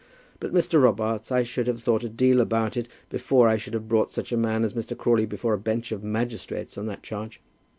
But, Mr. Robarts, I should have thought a deal about it before I should have brought such a man as Mr. Crawley before a bench of magistrates on that charge."